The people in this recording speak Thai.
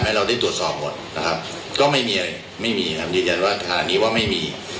แม้เราได้ตรวจสอบหมดก็ไม่มีอะไรยืนยันว่าอันนี้ว่าไม่มี